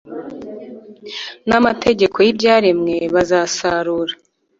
Na mategeko yibyaremwe bazasarura